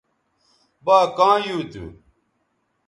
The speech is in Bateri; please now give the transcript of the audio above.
با کاں یُو تھو